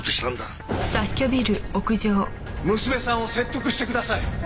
娘さんを説得してください。